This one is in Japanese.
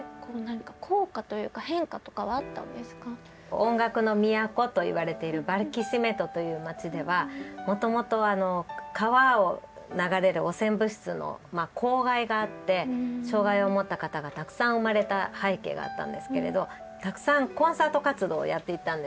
音楽の都と言われているバルキシメトという街ではもともと川を流れる汚染物質のまあ公害があって障害を持った方がたくさん生まれた背景があったんですけれどたくさんコンサート活動をやっていったんですね。